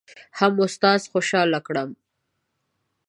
هم استاد خوشحاله کړم.